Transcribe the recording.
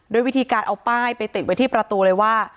วิธีการเอาป้ายไปติดไว้ที่ประตูเลยว่า